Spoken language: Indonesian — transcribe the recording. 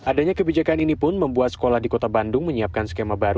adanya kebijakan ini pun membuat sekolah di kota bandung menyiapkan skema baru